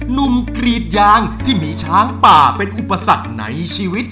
กรีดยางที่มีช้างป่าเป็นอุปสรรคในชีวิต